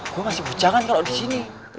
gue masih bujangan kalau disini